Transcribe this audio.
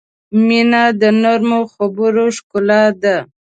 • مینه د نرمو خبرو ښکلا ده.